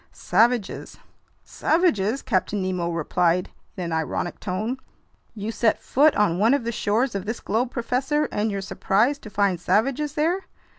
"Savages." "Savages!" Captain Nemo replied in an ironic tone. "You set foot on one of the shores of this globe, professor, and you're surprised to find savages there?